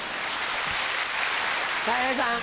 たい平さん。